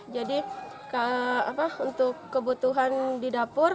jadi untuk kebutuhan di dapur